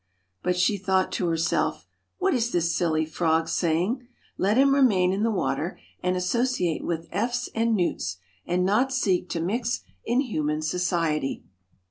But she thought to herself: 'what is this silly frog saying? Let him remain in the water and associate with efts and newts, and not seek to mix in human society.'